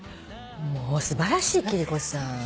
もう素晴らしい貴理子さん。